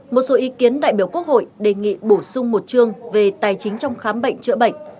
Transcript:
một số ý kiến đại biểu quốc hội đề nghị bổ sung một chương về tài chính trong khám bệnh chữa bệnh